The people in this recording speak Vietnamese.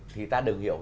thì ta đừng hiểu